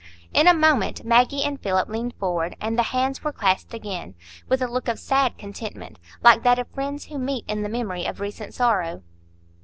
In a moment Maggie and Philip leaned forward, and the hands were clasped again, with a look of sad contentment, like that of friends who meet in the memory of recent sorrow.